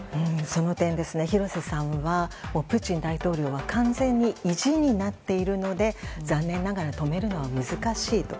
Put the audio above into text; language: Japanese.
その点、廣瀬さんはプーチン大統領は完全に意地になっているので残念ながら止めるのは難しいと。